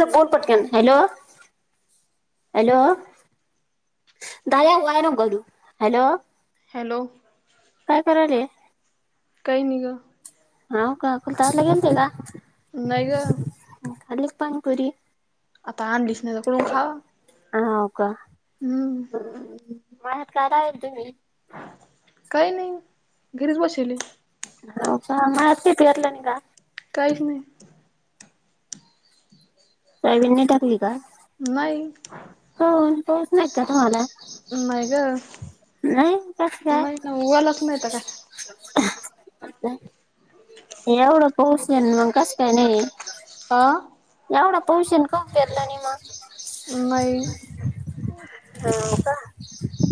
तर बोल पटकन हॅलो हॅलो. दया हय न गलू हॅलो हॅलो! काय करालीय. काही नाही ग ह का कुलतावला केेमती का? नाही ग, खाली पाणीपुरी आता आण दिस नाही तर कोून खा ह हो का मा करा आहे तुम्ही? काही नाही घरीच बसेले. का मातीतीयरला निघ [inaudible] काहीच नाही. सायबीन नाही टाकली का [unintelligible] नाही होन पोहच नाही का तुम्हाला? नाही ग नाही कस काय नाही ना उवालाच नाहीत काय? [unintelligible] एवढं पोच ना मग कसं काय नाही. ह! एवढा पौशन. नाही हाव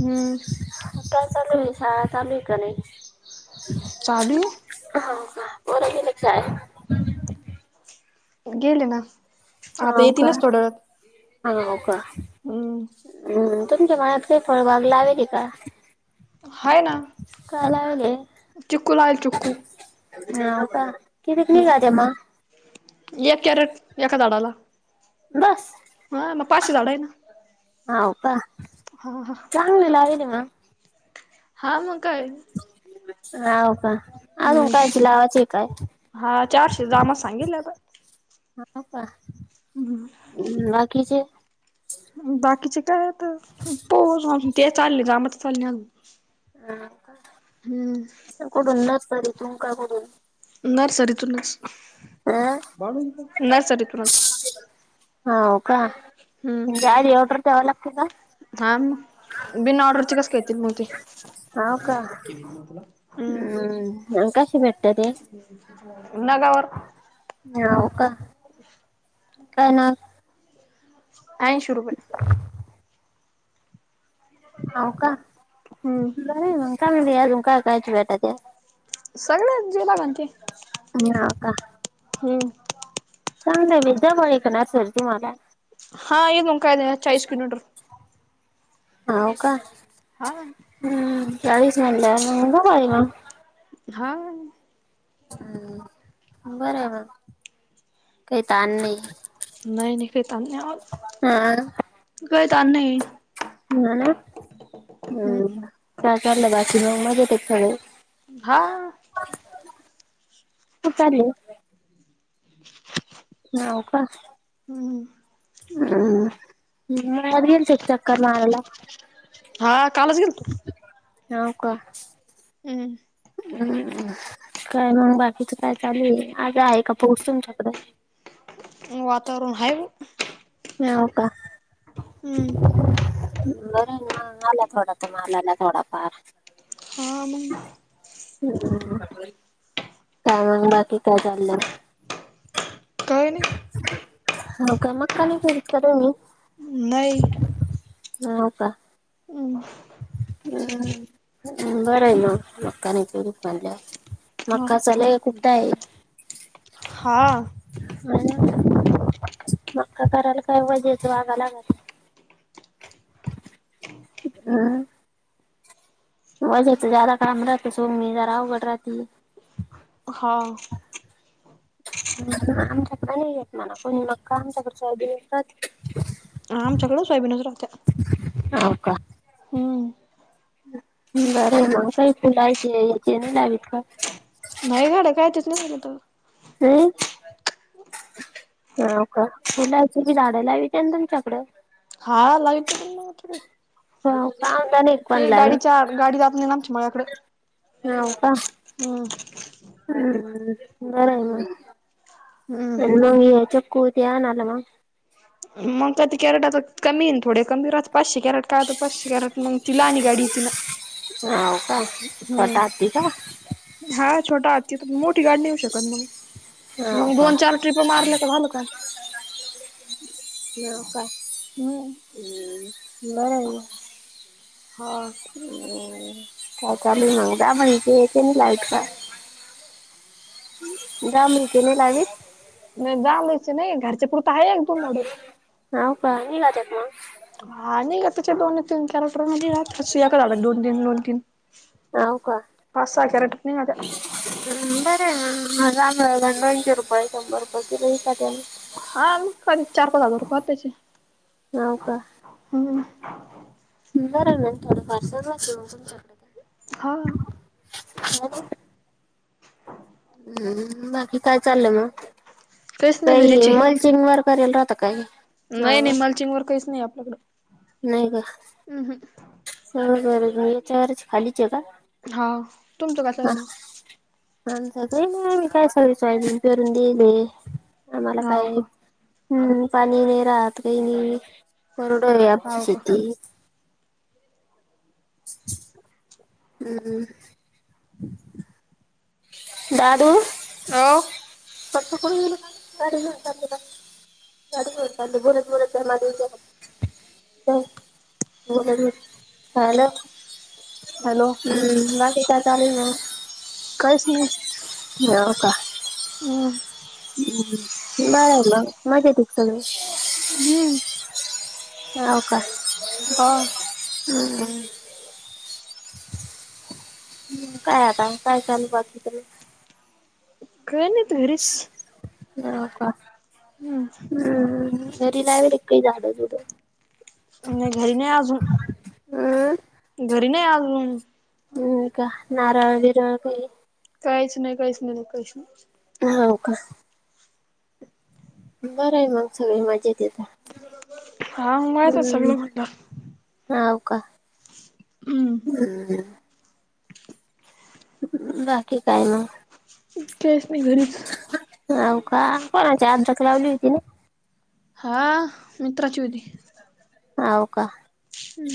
हम्म. ह चालू आहे शाळा चालू आहे की नाही. चालू हो का पोर तितचं हाय गेले ना आता हाव येेत का नाच थोड्याळत हा काम् तुमच्या मनात काही फळ वागला हवे ते का? हाय ना कालावले. चिक्कू लावेल चिक्कू ह का कितीिक हम्म नघ अम [unintelligible] एक कॅरेट एका झाडाला बस हा मग पाचशे झाड आहे ना, ह का हा हा चांगलेला आहेन म हा मग काय हव का? अजून हम्म कायची लावायची काय हा चारशे जाम सांगेल आता हा का हम् हम् बाकीचे. बाकीचे काय तर पो ते चालले कामच चालणे. ह का कुठून नतरी तू का कुठून नर्सरीतून. [inaudible] न सरत्रज. [unintelligible] हा हो हम्म काारी एवडर तेव लागत का. हा मग बिन ऑर्डरची कस घेतील मग ते. हो का नकाश भेट नागवरर- हव का काय ना. ऐशी रुपये. हो का. हम्म बर आहे मग काय म्हणतात अजून काय काय भेटाात. सगळे जे लागते का हम्म! चांगलं मीद्या म आहेकणार सर त मला [unintelligible] हा एक मुंखय आहेचाळीस किोमीटर. हव का. हा. हम् तरिचं म्हणल काम का होईना. हा. हम्म बर बर काही ताण नाही, नाही नाही काही हा त काही त नाही. ह ना हम्म हम् का चाललं बाच मग मज येत डे. हा. कुठे चालले ओ [inaudible] नव का हम् हम हम्ेन शिक चकर मारला- हा कालच गेलतो. नव का. हम्. हम्म काय मग बाकीचं काय चालूय आज आहे का पाऊस तुमच्याकडं. वातावरण ह. ह हो का हम्म बरं मग आला थोडा तर मलाला थोडा फार हां मग. हो काय मग बाकी काय चाललं काय नाही मका मका नही करत का तुम्ही. नाही. हो का- हम. हम्् बरं आहे ना लकानी च. हा मका चलाय कुटा आहे. हा. म्ह मक्का करायला कायव वजीच वागायलागरा हम वजाच जदा काम राते सोमी ज रावघड राती हा आमच्याकडे नाही येत म्हणा कोणी मग का आमच्याकडच्या येत- आमच्याकडं सोयाबीनच राहते हो का! बरे मग काही फुलायचे याचे नाही दवीत का नाही घड काय तच नाही मा त, हम्! हा का फुलाचीी झाडा लावीच्या ना तुमच्याकडं हा लाग मल हाव का आम्हाला [unintelligible] पण ते एक लावेल गाडी चा गाडी जात नाही नामच माळा कडं हम हम् बर आहे हम्म ना कुयद्या आणा न मग मग का ते कॅरेटा कमी थोडे कमी रा पाचशे कॅरेट कां पाचश कॅरेट मंग तिला आणि गाडी ति ना हो का हम्म पटती का हा छट आ क मोठी गाडी ने येऊ शकत म हाव मग का दोन चार ट्रिप मारलं का झालं काम न का हम्म नाही ह ् काय चालू मंग [unintelligible] क नाही लाईट का जाम के नाही लागे नाही जामयच नाही घरच्या पुरत आहे एक दोन मॉडेल ह का नगयात ना आणि का त्याच्या दोन तीन कॅरेक्टर मध्ये अस या काडत दोन तीन दोन तीन हाव का पासा करटप नाही काता,, बरे गण दोनशे रुपये शंभर रुपये किल हा चार पाच हजार रुपये होात त्याचे नवका हम्म! बरं मॅ थोडं पारसलचन [unintelligible] तुमच्याकड हा हो हम्म बाकी काय चाललंय मग काहीच नाही काही घरीचे मलचिंग वारकारला राहत काही नाही माळव निमालचिंग ववर काहीच नाही आपल्याकडं नाही का- हम्म हम्म स बर याच्यावरच खालीच का हा तुमचं काय ह चाललं काही नाही मी काय सांगचय पेरून दिले, आम्हाला हाव काय का हम् पाणी नाही राहत काही नाही करड आहे आची हाव का. शती [inaudible] हम्म दादु अ चा बत बरत लं [unintelligible] हॅलो हम्म बाकी का चालेल ना? काहीच नाही हम्म बरल मज येत हम्म ह अका हा. [unintelligible] हम्म ह काय आता काय चालू बाकी तरी काय नाही तू हरीस हो का हम्म हम्म मरी लावेल एक काही झाडो जुडो नाही घरी नाही हम्म, अजून घरी नाही अजून ह का नाराळ बीरळ कई काहीच नाही काहीच नाही नाही काहीच नाही. हो का बरं आहे मग सगळे मजेत हे हा माझं सगळं हाव का हम्म हम् ह [unintelligible] बाकी काय मग काहीच नाही घरीच अव का कोणाची आमच्यात लावली होती ना हा मित्राची होती होव का हम्म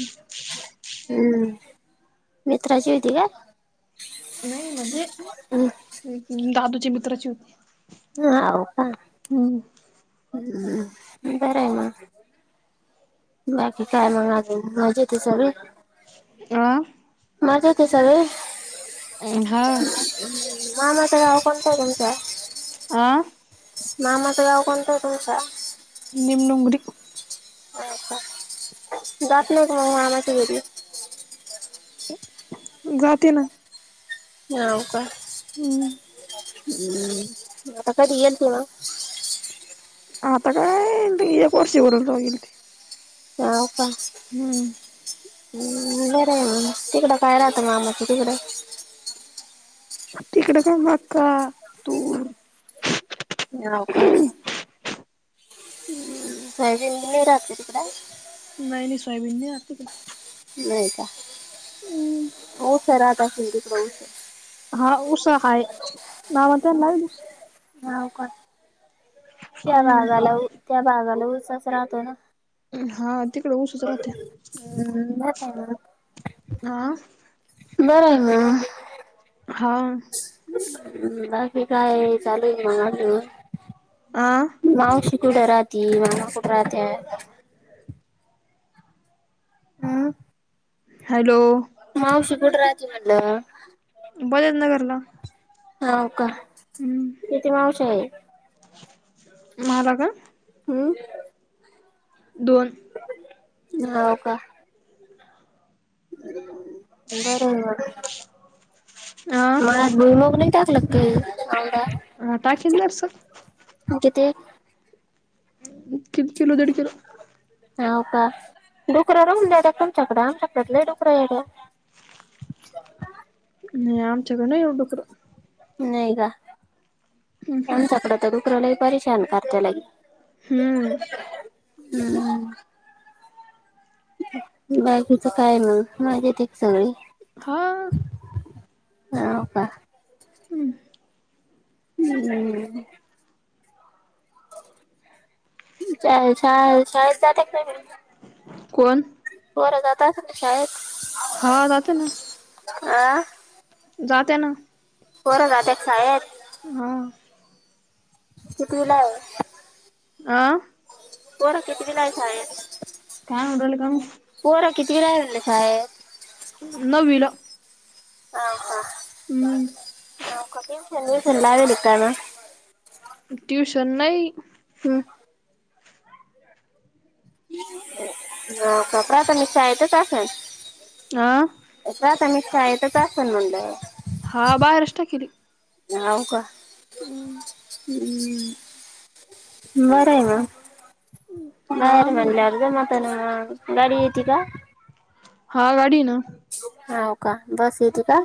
हम्म मित्राची होती का? नाही म्हजे हम्म, दादूच्या मित्राची होती हाव का हम्म हम्म बर मग बाकी काय मग अजून मजेत आहे सगळे? आ मजेत येत सगळे हा मामाच गाव कोणत तुमचा? आं मामाचं गाव कोणतं तुमच्या? निमनमुडीक हो का जात नही मग तो मामाच्या घरी? जाते ना हो का हम्म आता कधी येतो ना आता काय एक को वर्षी वरूनोगल ते हाव का हम्म हम्म बरं आहे मग तिकडं काय राहतं मामाची तिकडें? तिकडं काय मका तुर होव का. सोयाबीन नाही राहत का तिकडं? नाही नाही सोयाबीन नाही राहत तिकडे नाही का हम्म हो ख राहताि [inaudible] तकऊ. हा ऊस हाय लावत नाय. नाव काय? त्या हम्म भागाला त्या भागाला उचच राहतो ना. हा तिकडं ऊसचं राहते हम्म, बरं आहे मग हा. बरं मंग हा. ् बाकी काय चालू आहे मग् आजून. आहह. मावशी कुठ राहती मामा कुठ राहत्यात. हा. हॅलो. मावशी कुठं राहती म्हलं. बजाज नगर ला. हा. का. किती मावश्या हे. मला का? हम्म. दोन होव का? उर. हा मळ्यात भुईमूग नाही टाकलं ते आवदा ह टाकीन दरस्क. म्हणजे ते किती एक किलो दीड किलो हाव का डुकरां रहून तुमच्यांकडे आमच्याकडे डुकरं येतंय. नाही आमच क, नाही उगत. नाही का आमच्याकडे तर डुकरं लई परेशान करतय लगे. हूं. हम्म. बाकीचं काय मग मजेत का सगळी हः हं ह पा. हम्म. हूं हूं. चाय शा शळेत जात काय? मुलं. कोण? पोर जाता ना, शाळेत. हा जात ना. आं. जाते ना. बरं जात कायेत. आ ह. कितविला हो. आ. बोर किती दिलायच आहे. काय म्हणलं कानु पोरा किती राहिलेले शाळेत नववी ला. हम्म ह कोठी चंद चलेकण [inaudible] ट्यूशन नाही. हम्. हा प्राथमिक शाळेतच असंनं आ प्राथमिक शाळेतचं आसलं म्हणलं. हा बाहेरचं टाकेल हे हाऊ का?. हम्, बरंय मंग हा बरं मग म्हणल्या जमतंय ना म गाडी येत का? हा, गाडीन. हाव, का बस येते का?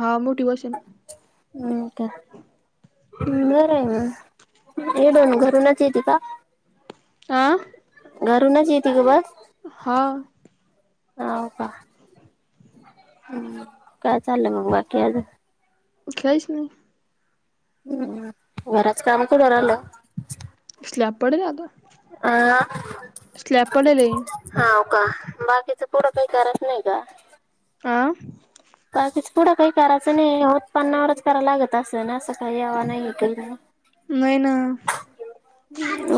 हा मोठी वर्षान ह. त्या हम्म बरंय म इडून घरूनच येते का? आं घरूनच येती ग बस. हा हाव का?. हम्, काय चाललं म, बाकी आजून. कायच नाही हम्म, घराचं काम कुठवर आणलं? स्लॅप पडलं आगं अ, आहे हाव का बाकीचं पुढं काय करायचं नाही का? आंहः काच पुढं काही करायचं नाही, ओ उत्पन्नावरच कराय लागत असं ना, असं काही हवा नाहीये काही नाहीय ना.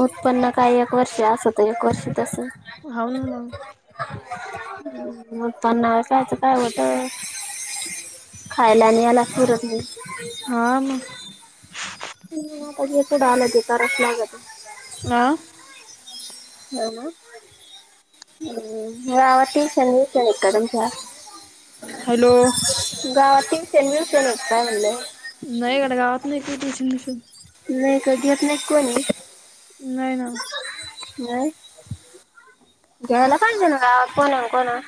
उत्पन्न काय एक वर्ष असं एक वर्षी तसं. हाव न मंग म उत्पन्न कायच काय होतय. खायला न या ला पुरत नाही हा म जे पुढे आलं ते करावंच लागतंय आं [inaudible] हम् गावातील सर्व ट्युशन तेन हाय हॅलो तुमच्या? [unintelligible] नाही गड्या गावत नाही का ट्युशन भीषण नाही घेत नाही कोणी? नाही ना नाही घेवायला काय केलं कोणा -कोणा!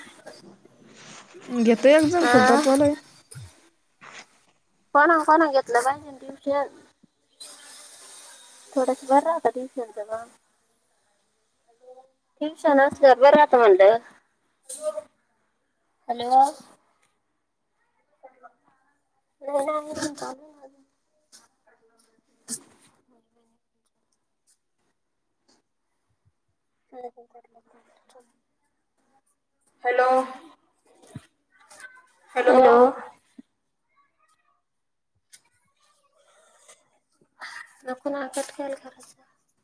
घेतो एक जण खुद हा जतवालं हाय कोणा कोणा घेतलं बाय, ट्यूशन थोडास बर राहताती ट्युशन नवं ट्युशनाच असलं बर राहता म्हणलं हॅलो नाही म्हणतालं [inaudible] [inaudible] हॅलो... हॅलो नको ना कट करायचा कसा?